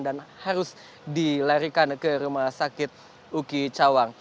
dan harus dilerikan ke rumah sakit uki cawang